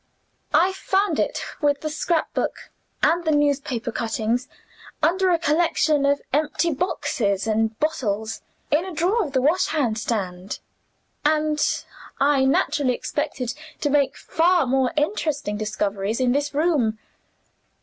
"I found it, with the scrap book and the newspaper cuttings, under a collection of empty boxes and bottles, in a drawer of the washhand stand. And I naturally expected to make far more interesting discoveries in this room.